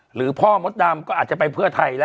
หรือพ่อมดดำก็อาจจะไปเพื่อไทยแล้ว